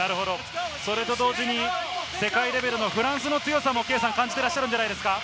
それと同時に世界レベルのフランスの強さも圭さん、感じていらっしゃるんじゃないですか？